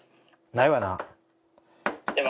ないわな。